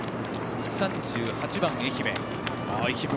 ３８番の愛媛。